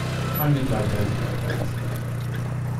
Mein Mitleid hält sich in Grenzen.